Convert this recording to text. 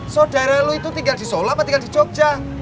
saudara lo itu tinggal di solo apa tinggal di jogja